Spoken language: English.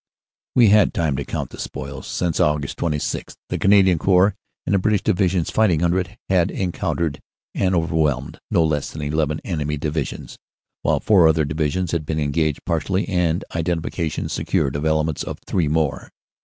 We had time to count the spoils. Since Aug. 26, the Cana dian Corps and the British Divisions fighting under it, had encountered and overwhelmed no less than eleven enemy divi sions, while four other divisions had been engaged partially and identifications secured of elements of three more.